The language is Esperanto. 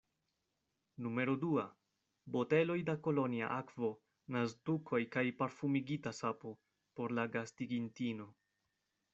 Numero dua: Boteloj da kolonja akvo, naztukoj kaj parfumigita sapo; por la gastigintino.